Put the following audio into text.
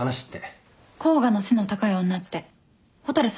甲賀の背の高い女って蛍さんだよね？